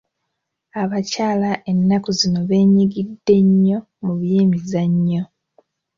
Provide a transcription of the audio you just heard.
Abakyala ennaku zino beenyigidde nnyo mu by'emizannyo